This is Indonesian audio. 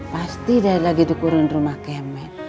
pasti dia lagi dikurun rumah kemet